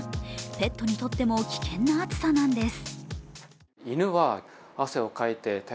ペットにとっても危険な暑さなんです。